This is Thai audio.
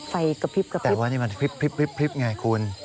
ไฟกระพริบแต่ว่านี่มันกระพริบไงคุณ